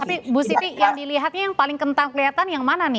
tapi bu siti yang dilihatnya yang paling kentang kelihatan yang mana nih